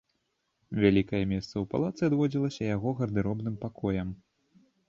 Вялікае месца ў палацы адводзілася яго гардэробным пакоям.